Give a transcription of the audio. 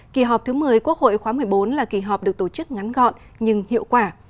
kỳ họp thứ một mươi quốc hội khóa một mươi bốn là kỳ họp được tổ chức ngắn gọn nhưng hiệu quả